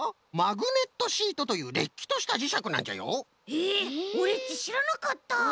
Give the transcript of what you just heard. へえオレっちしらなかった。